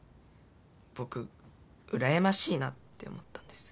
僕うらやましいなって思ったんです。